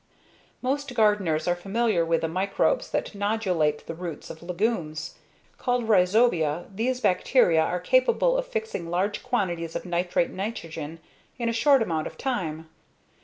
Most gardeners are familiar with the microbes that nodulate the roots of legumes. Called rhizobia, these bacteria are capable of fixing large quantities of nitrate nitrogen in a short amount of time.